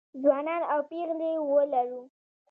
ځوانان او پېغلې ولرو